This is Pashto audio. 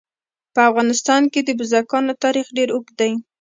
په افغانستان کې د بزګانو تاریخ ډېر اوږد دی.